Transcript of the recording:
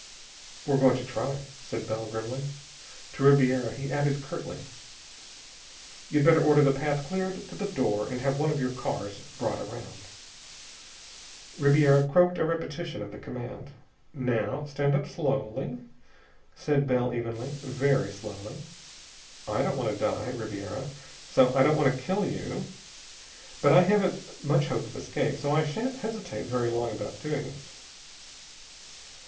"We're going to try," said Bell grimly. To Ribiera he added curtly, "You'd better order the path cleared to the door, and have one of your cars brought around." Ribiera croaked a repetition of the command. "Now stand up slowly," said Bell evenly. "Very slowly. I don't want to die, Ribiera, so I don't want to kill you. But I haven't much hope of escape, so I shan't hesitate very long about doing it.